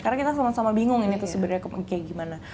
karena kita sama sama bingung ini tuh sebenarnya kayak gimana